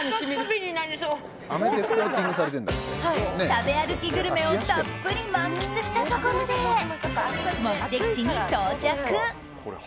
食べ歩きグルメをたっぷり満喫したところで目的地に到着。